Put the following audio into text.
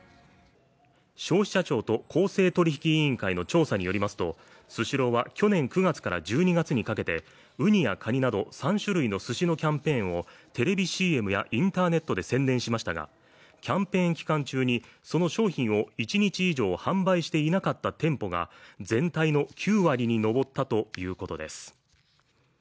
消費者庁と公正取引委員会の調査によりますと、スシローは去年９月から１２月にかけてウニやカニなど３種類のすしのキャンペーンをテレビＣＭやインターネットで宣伝しましたが、キャンペーン期間中にその商品を一日以上販売していなかった店舗が全体の９割に上ったということです